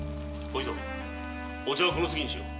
お茶はこの次にしよう。